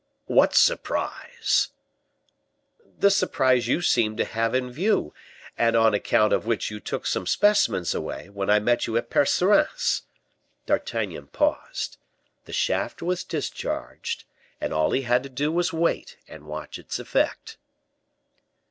"What surprise?" "The surprise you seem to have in view, and on account of which you took some specimens away, when I met you at Percerin's." D'Artagnan paused. The shaft was discharged, and all he had to do was to wait and watch its effect.